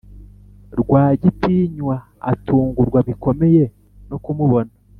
rwagitinywa atungurwa bikomeye no kumubona